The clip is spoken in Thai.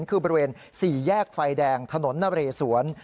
คือบริเวณ๔แยกไฟแดงถนนนเรสวน